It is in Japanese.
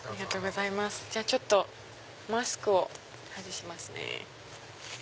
ちょっとマスクを外しますね。